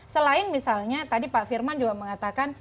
selain misalnya tadi pak firman juga mengatakan